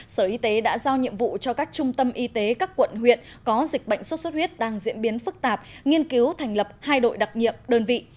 sở y tế đã giao nhiệm vụ cho các trung tâm y tế các quận huyện có dịch bệnh sốt xuất huyết đang diễn biến phức tạp nghiên cứu thành lập hai đội đặc nhiệm đơn vị